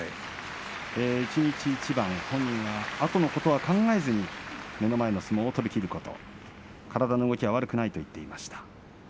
一日一番本人はあとのことは考えずに目の前の相撲を取りきること体の動きは悪くないと言っていました。